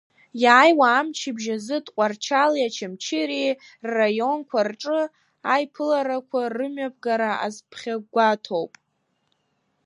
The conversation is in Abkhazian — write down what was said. Иааиуа амчыбжь азы Тҟәарчали Очамчыреи рраионқәа рҿы аиԥыларақәа рымҩаԥгара азԥхьагәаҭоуп.